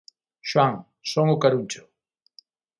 –Xoán, son o Caruncho.